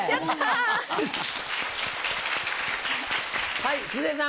はい鈴江さん。